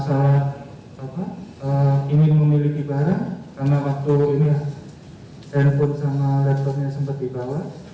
masalah ini memiliki barang karena waktu handphone sama laptopnya sempat dibawa